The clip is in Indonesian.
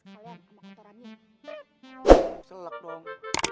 kalau anak anak sarannya selak dong